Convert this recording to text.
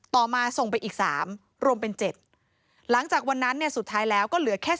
มาส่งไปอีก๓รวมเป็น๗หลังจากวันนั้นเนี่ยสุดท้ายแล้วก็เหลือแค่